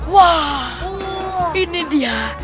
wah ini dia